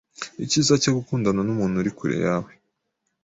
Icyiza cyo gukundana n’umuntu uri kure yawe